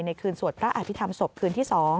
คืนสวดพระอภิษฐรรมศพคืนที่๒